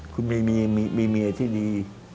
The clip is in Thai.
คุณมีเมียที่ดี